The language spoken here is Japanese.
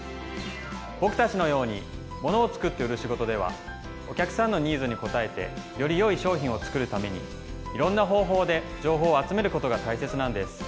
ぼくたちのように物を作って売る仕事ではお客さんのニーズに応えてよりよい商品を作るためにいろんな方法で情報を集めることがたいせつなんです。